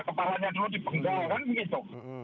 kepalanya dulu di benggal kan begitu